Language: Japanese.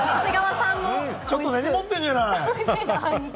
ちょっと根に持ってるじゃない！